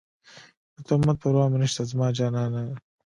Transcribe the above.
د تهمت پروا مې نشته زما جانانه